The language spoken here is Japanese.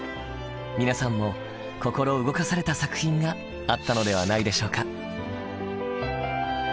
皆さんも心動かされた作品があったのではないでしょうか？